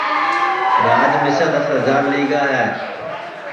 راج مِسیں دؔس ہجار لی گا ہے